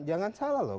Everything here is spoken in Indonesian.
jangan salah loh